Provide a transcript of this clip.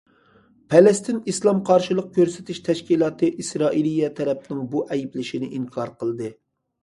پەلەستىن ئىسلام قارشىلىق كۆرسىتىش تەشكىلاتى ئىسرائىلىيە تەرەپنىڭ بۇ ئەيىبلىشىنى ئىنكار قىلدى.